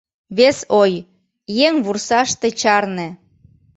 Вес ой: еҥ вурсаш тый чарне...